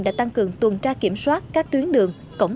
đã tăng cường tution tra kiểm soát các tuyến đường tasan được cấu tr res